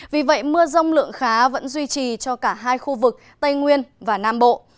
vì vậy mưa rông lượng khá vẫn duy trì cho cả hai khu vực tây nguyên và nam bộ